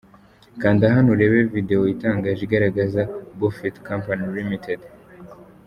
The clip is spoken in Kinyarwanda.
Kanda hano urebe Video itangaje igaragaza Boofet Company ltd.